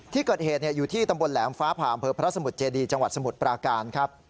ที่เกิดเหตุอยู่ที่ตำบลแหลมฟ้าผ่าอำเภอพระสมุทรเจดีจังหวัดสมุทรปราการครับ